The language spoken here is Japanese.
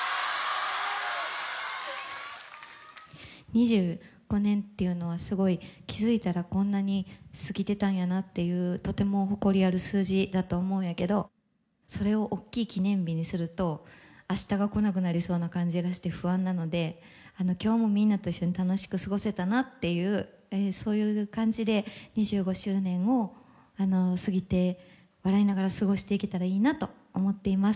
２５年っていうのはすごい気付いたらこんなに過ぎてたんやなっていうとても誇りある数字だと思うんやけどそれを大きい記念日にすると明日が来なくなりそうな感じがして不安なのであの今日もみんなと一緒に楽しく過ごせたなっていうそういう感じで２５周年を過ぎて笑いながら過ごしていけたらいいなと思ってます。